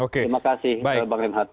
terima kasih bang renhat